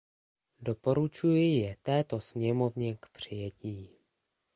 Doporučuji je této sněmovně k přijetí.